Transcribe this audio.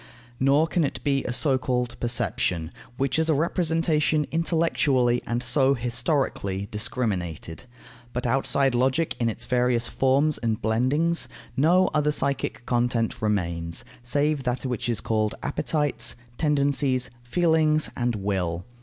Nor can it be a so called perception, which is a representation intellectually, and so historically, discriminated. But outside logic in its various forms and blendings, no other psychic content remains, save that which is called appetites, tendencies, feelings, and will.